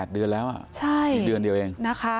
๘เดือนแล้วนี่เดือนเดียวเอง